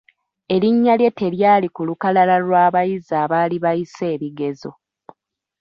Erinnya lye telyali ku lukalala lw'abayizi abaali bayisse ebigezo.